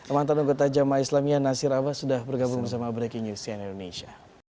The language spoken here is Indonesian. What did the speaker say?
amantan nugur tajama islamiyah nasir abbas sudah bergabung bersama breaking news cna indonesia